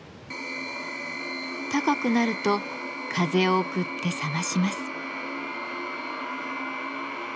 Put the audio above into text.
高くなると風を送って冷まします。